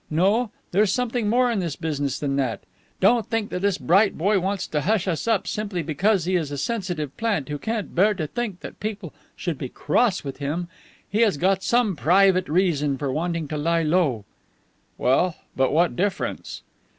No, there's something more in this business than that. Don't think that this bright boy wants to hush us up simply because he is a sensitive plant who can't bear to think that people should be cross with him. He has got some private reason for wanting to lie low." "Well, but what difference